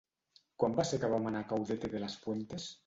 Quan va ser que vam anar a Caudete de las Fuentes?